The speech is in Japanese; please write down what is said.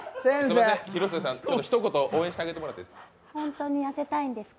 広末さん、ひと言応援してもらっていいですか？